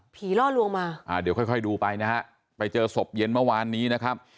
ล่อลวงมาอ่าเดี๋ยวค่อยค่อยดูไปนะฮะไปเจอศพเย็นเมื่อวานนี้นะครับ